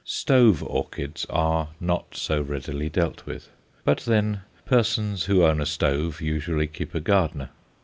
Stove orchids are not so readily dealt with; but then, persons who own a stove usually keep a gardener.